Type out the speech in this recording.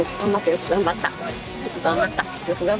よく頑張ったよ。